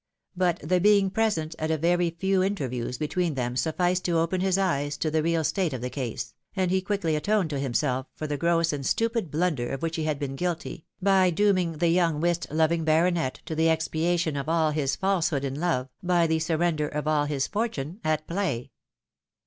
But the being present at a very few inter views between them sufficed to open his eyes to the real state of the case, and he quickly atoned to himself for the gross and stupid blunder of which he had been guilty, by dooming the young whist loving baronet to the expiation of aU his falsehood in love, by the surrender of all his fortune at play.